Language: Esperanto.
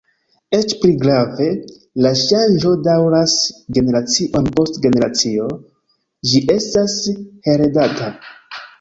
Eĉ pli grave, la ŝanĝo daŭras generacion post generacio; ĝi estas heredata.